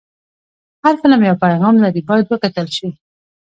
هر فلم یو پیغام لري، باید وکتل شي.